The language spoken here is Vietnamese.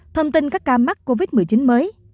thông tin các ca mắc covid một mươi chín mới